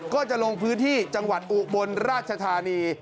ก็จะลงพื้นที่จังหวัดอุบลราชธานี